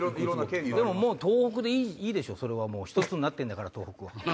もう東北でいいでしょそれは１つになってんだから東北は。